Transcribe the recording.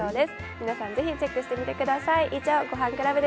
皆さんぜひチェックしてみてください。